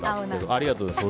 ありがとうございます。